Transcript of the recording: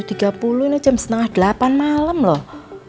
ini jam setengah delapan malam loh